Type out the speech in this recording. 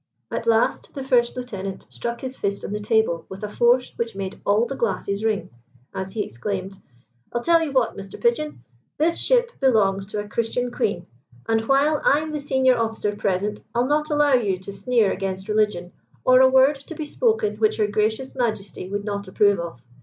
At last the first lieutenant struck his fist on the table with a force which made all the glasses ring, as he exclaimed "I'll tell you what, Mr Pigeon. This ship belongs to a Christian Queen, and while I'm the senior officer present I'll not allow you to sneer against religion, or a word to be spoken which her gracious Majesty would not approve of.